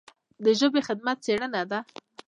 د ژبې خدمت څېړنه ده.